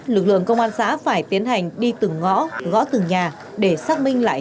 lực lượng công an xã phải tiến hành đi từng ngõ gõ từng nhà để xác minh lại